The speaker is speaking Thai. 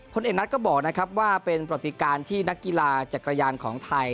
เอกนัทก็บอกนะครับว่าเป็นประติการที่นักกีฬาจักรยานของไทย